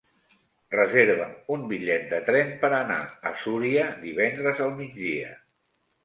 Reserva'm un bitllet de tren per anar a Súria divendres al migdia.